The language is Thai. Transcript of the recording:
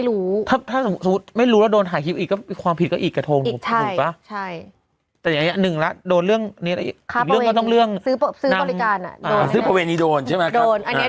ซื้อบริการอ่ะเอาซื้อประเภทนี้โดนใช่ไหมโดนอันเนี้ย